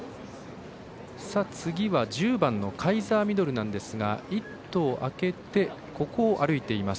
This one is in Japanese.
次は１０番カイザーミノルなんですが１頭、空けて歩いております。